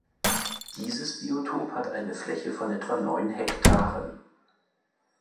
Dieses Biotop hat eine Fläche von etwa neun Hektaren.